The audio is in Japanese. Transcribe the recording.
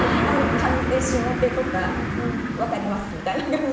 上手、下手とか分かりますみたいな。